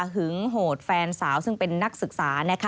โหดแฟนสาวซึ่งเป็นนักศึกษา